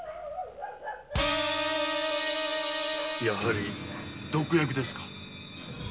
やはり毒薬ですか？